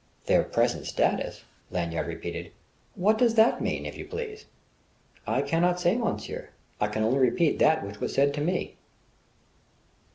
"Their present status?" Lanyard repeated. "What does that mean, if you please?" "I cannot say monsieur. I can only repeat that which was said to me."